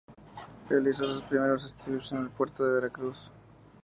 Realizó sus primeros estudios en el puerto de Veracruz.